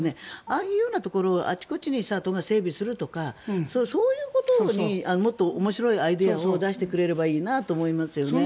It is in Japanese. ああいうところをあちこちに整備するとかそういうことにもっと面白いアイデアを出してくれればいいなと思いますよね。